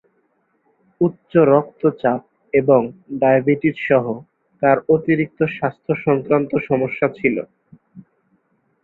উচ্চ রক্তচাপ এবং ডায়াবেটিস সহ তাঁর অতিরিক্ত স্বাস্থ্য সংক্রান্ত সমস্যা ছিল।